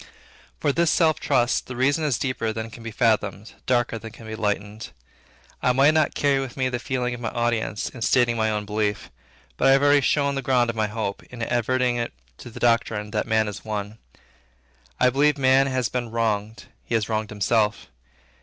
For this self trust, the reason is deeper than can be fathomed, darker than can be enlightened. I might not carry with me the feeling of my audience in stating my own belief. But I have already shown the ground of my hope, in adverting to the doctrine that man is one. I believe man has been wronged; he has wronged himself.